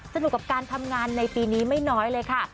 สนุกกับการทำงานในปีนี้ไม่น้อยเลยค่ะ